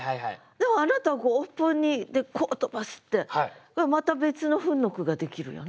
でもあなたは尾っぽにこう飛ばすってまた別の糞の句ができるよな。